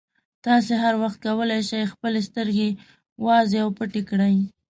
تاسې هر وخت کولای شئ خپلې سترګې وازې او پټې کړئ.